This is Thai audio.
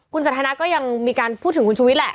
คุณสันทนาก็ยังมีการพูดถึงคุณชุวิตแหละ